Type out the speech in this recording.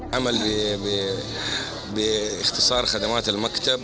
kondisi ini berkaitan dengan keuntungan maktab